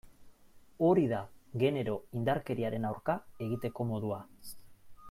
Hori da genero indarkeriaren aurka egiteko modua.